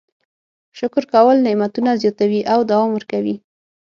شکر کول نعمتونه زیاتوي او دوام ورکوي.